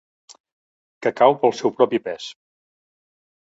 Que cau pel seu propi pes.